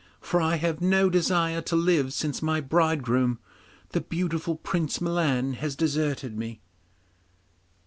For I have no desire to live since my bridegroom, the beautiful Prince Milan, has deserted me.